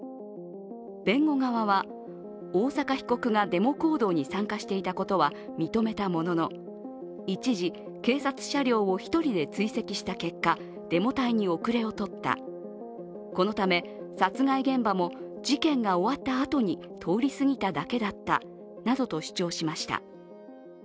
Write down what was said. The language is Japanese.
弁護側は大坂被告がデモ行動に参加していたことは認めたものの、一時、警察車両を一人で追跡した結果デモ隊に遅れを取った、このため、殺害現場も事件が終わったあとに通りすぎただけだったなどと主張しました。